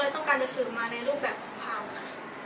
ผมก็เลยต้องการจะสืบมาในรูปแบบของพาวค่ะ